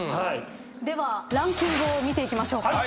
ではランキングを見ていきましょう。